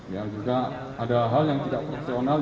yang juga ada hal yang tidak fungsional